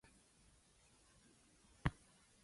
The county seat is Cresco.